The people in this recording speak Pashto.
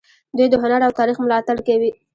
دوی د هنر او تاریخ ملاتړ کوي.